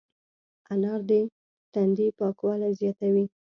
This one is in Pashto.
انار د تندي پاکوالی زیاتوي.